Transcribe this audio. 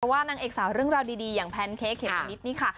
นางเอกสาวเรื่องราวดีอย่างแพนเค้กเขมมะนิดนี่ค่ะ